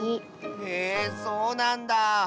へえそうなんだ。